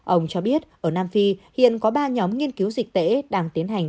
ông cho biết ở nam phi hiện có ba nhóm nghiên cứu dịch tễ đang tiến hành